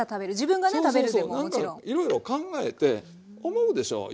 何かいろいろ考えて思うでしょう